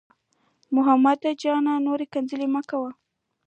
محمود جانه، نور کنځل مه کوه.